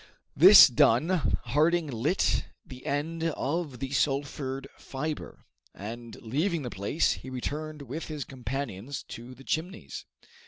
This done, Harding lit the end of the sulphured fiber, and leaving the place, he returned with his companions to the Chimneys.